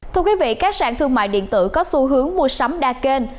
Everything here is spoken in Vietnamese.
thưa quý vị các sản thương mại điện tử có xu hướng mua sắm đa kênh